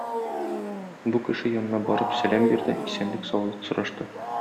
Бу кеше янына барып сәлам бирде, исәнлек-саулык сорашты.